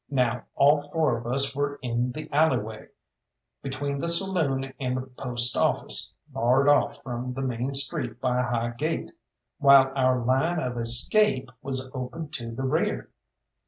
Now all four of us were in the alley way, between the saloon and the post office, barred off from the main street by a high gate, while our line of escape was open to the rear.